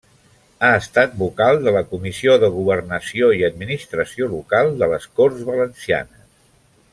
Ha estat vocal de la Comissió de Governació i Administració Local de les Corts Valencianes.